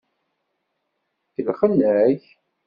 Kellxen-ak.